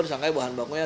disangkanya bahan bakunya